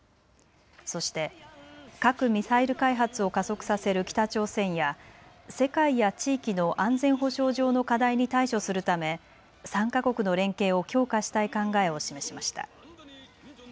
そして核・ミサイル開発を加速させる北朝鮮や世界や地域の安全保障上の課題に対処するため３か国の連携を強化したい考えを示しました。